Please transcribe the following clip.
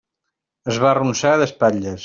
Es va arronsar d'espatlles.